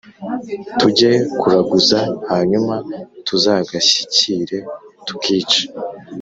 tujye kuraguza, hanyuma tuzagashyikire tukice."